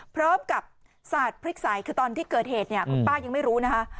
พร้อมกับสาดพริกใสคือตอนที่เกิดเหตุเนี่ยคุณป้ายังไม่รู้นะคะ